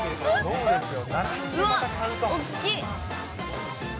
うわっ、大きい。